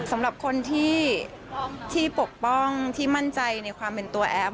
สำหรับคนที่ปกป้องที่มั่นใจในความเป็นตัวแอฟ